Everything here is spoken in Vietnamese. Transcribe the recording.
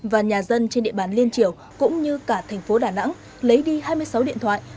và nhà dân trên địa bàn liên triều cũng như cả thành phố đà nẵng lấy đi hai mươi sáu điện thoại